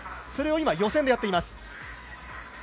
それを今、予選でやっています。